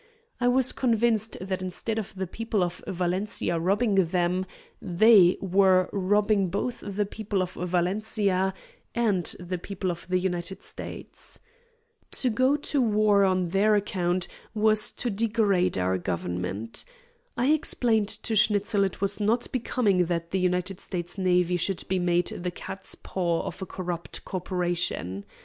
I was convinced that instead of the people of Valencia robbing them, they were robbing both the people of Valencia and the people of the United States. To go to war on their account was to degrade our Government. I explained to Schnitzel it was not becoming that the United States navy should be made the cat's paw of a corrupt corporation.